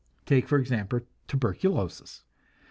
Take, for example, tuberculosis.